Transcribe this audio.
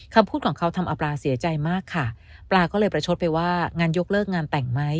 คำพูดของเขาทำเอาปลาเสียใจมากค่ะปลาก็เลยประชดไปว่างานยกเลิกงานแต่งไหม